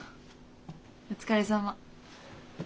お疲れさま。